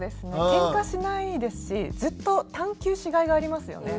けんかしないですしずっと探求しがいがありますよね。